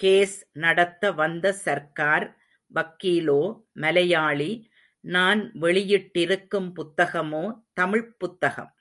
Case நடத்த வந்த சர்க்கார் வக்கீலோ மலையாளி நான் வெளியிட்டிருக்கும் புத்தகமோ தமிழ்ப் புத்தகம்.